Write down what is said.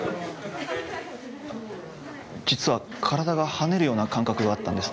実は体が跳ねるような感覚があったんです。